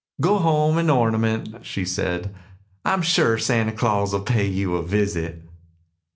"Go home and ornament," she said. "I am sure Santa Claus will pay you a visit."